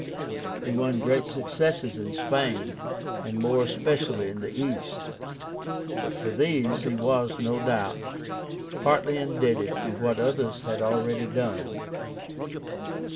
He won great successes in Spain, and more especially in the East; but for these he was, no doubt, partly indebted to what others had already done.